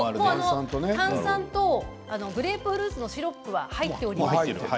炭酸とグレープフルーツのシロップが入っております。